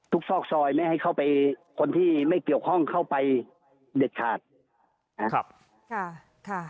ซอกซอยไม่ให้เข้าไปคนที่ไม่เกี่ยวข้องเข้าไปเด็ดขาดนะครับค่ะ